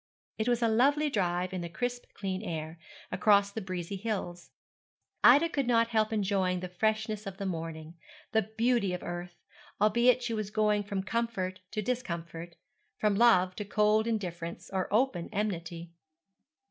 It was a lovely drive in the crisp clear air, across the breezy hills. Ida could not help enjoying the freshness of morning, the beauty of earth, albeit she was going from comfort to discomfort, from love to cold indifference or open enmity.